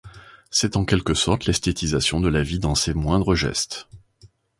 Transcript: C’est en quelque sorte l’esthétisation de la vie dans ses moindres gestes.